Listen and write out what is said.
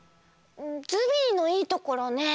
ズビーのいいところねぇ。